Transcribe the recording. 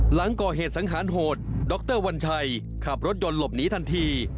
หลังก่อเหตุสังหารโหดดรวัญชัยขับรถยนต์หลบหนีทันที